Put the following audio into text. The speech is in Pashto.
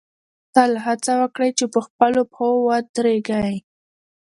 تل هڅه وکړئ چې په خپلو پښو ودرېږئ.